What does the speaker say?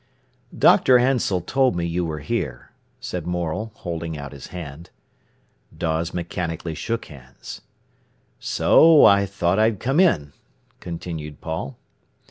"Dr. Ansell told me you were here," said Morel, holding out his hand. Dawes mechanically shook hands. "So I thought I'd come in," continued Paul.